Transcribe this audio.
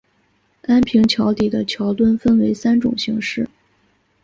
安平桥底的桥墩分三种形式。